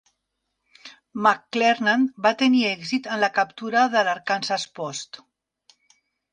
McClernand va tenir èxit en la captura de l'Arkansas Post.